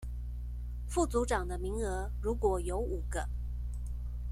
副組長的名額如果有五個